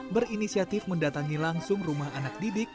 berinisiatif mendatangi langsung rumah anak didik